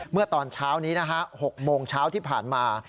เมื่อตอนเช้านี้นะฮะ๖โมงเช้าที่ผ่านมา